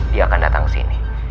dia akan datang kesini